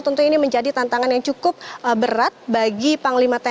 tentunya ini menjadi tantangan yang cukup berat bagi panglima tni